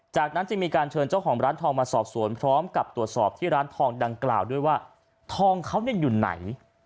จากนั้นจึงมีการเชิญเจ้าของร้านทองมาสอบสวนพร้อมกับตรวจสอบที่ร้านทองดังกล่าวด้วยว่าทองเขาอยู่ไหน